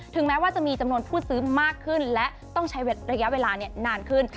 แม้ว่าจะมีจำนวนผู้ซื้อมากขึ้นและต้องใช้ระยะเวลานานขึ้น